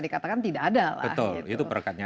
dikatakan tidak ada lah betul itu perekatnya